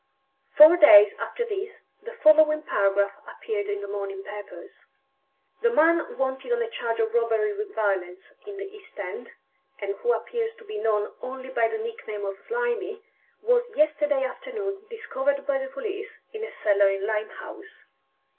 Four days after this the following paragraph appeared in the morning papers: "The man wanted on a charge of robbery with violence in the East End, and who appears to be known only by the nickname of Slimy, was yesterday afternoon discovered by the police in a cellar in Limehouse.